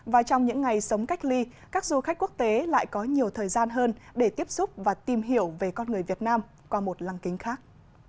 và trong những ngày sống cách ly các du khách quốc tế lại có nhiều thời gian hơn để tiếp xúc và tìm hiểu về con người việt nam qua một lăng kính khác